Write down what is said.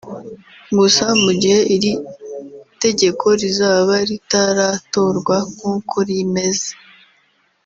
Gusa mu gihe iri tegeko rizaba rutaratorwa nk’uko rimeze